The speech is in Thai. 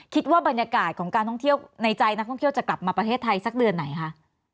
คิดว่าบรรยากาศของการท่องเที่ยวในใจนักท่องเที่ยวจะกลับมาประเทศไทยสักเดือนไหนคะ